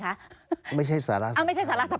ครับ